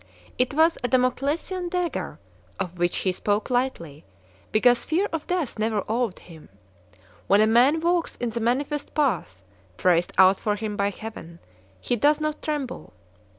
It was a Damoclesian dagger of which he spoke lightly, because fear of death never awed him. When a man walks in the manifest path traced out for him by Heaven, he does not tremble.